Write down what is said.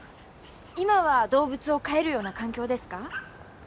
今は動物を飼えるような環境ですか？